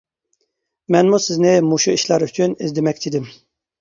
مەنمۇ سىزنى مۇشۇ ئىشلار ئۈچۈن ئىزدىمەكچىدىم.